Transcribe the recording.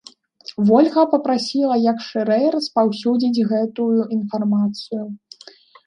Вольга папрасіла як шырэй распаўсюдзіць гэтую інфармацыю.